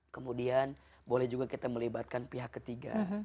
kemudian boleh juga kita melibatkan pihak ketiga